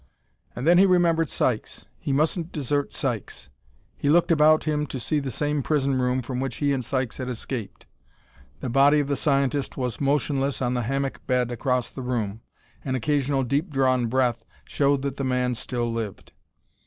And then he remembered Sykes; he mustn't desert Sykes. He looked about him to see the same prison room from which he and Sykes had escaped. The body of the scientist was motionless on the hammock bed across the room; an occasional deep drawn breath showed that the man still lived.